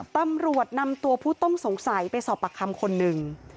ตำรวจนำตัวผู้ต้องสงสัยไปสอบปากคำคนหนึ่ง